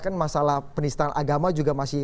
kan masalah penistaan agama juga masih